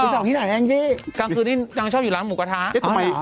อ๋อเหรอกลางคืนนี้ยังชอบอยู่ร้านหมูกระทะเอ๊ะเอ้อเหรอ